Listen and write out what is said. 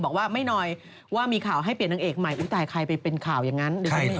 บอกว่าไม่หน่อยว่ามีข่าวให้เปลี่ยนนางเอกใหม่อุ้ยตายใครไปเป็นข่าวอย่างนั้น